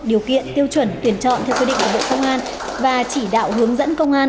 điều kiện tiêu chuẩn tuyển chọn theo quy định của bộ công an và chỉ đạo hướng dẫn công an